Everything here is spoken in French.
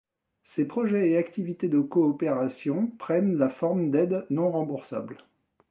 Ces projets et activités de coopération prennent la forme d'aides non remboursables.